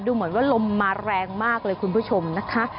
เหมือนว่าลมมาแรงมากเลยคุณผู้ชมนะคะ